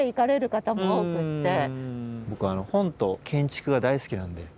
僕本と建築が大好きなんで。